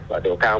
và độ cao